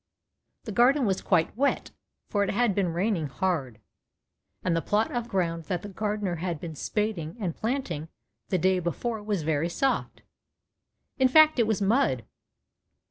The garden was quite wet, for it had been raining hard, and the plot of ground that the gardener had been spading and planting the day before was very soft. In fact it was mud.